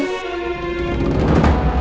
tidak ada apa apa